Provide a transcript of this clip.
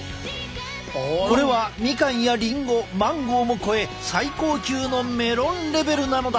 これはミカンやリンゴマンゴーも超え最高級のメロンレベルなのだ。